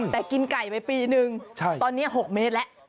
แต่กินไก่ไปปี๑ตอนนี้๖เมตรและ